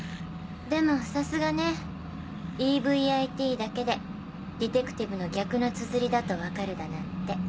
でもさすがねＥＶＩＴだけでディテクティブの逆のつづりだとわかるだなんて。